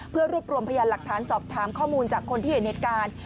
เพื่อรวบรวมพยานหลักฐานสอบถามข้อมูลจากคนที่เห็นเหตุการณ์